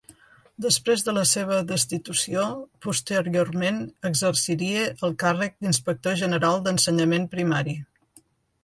Després de la seva destitució, posteriorment exerciria el càrrec d'Inspector general d'Ensenyament Primari.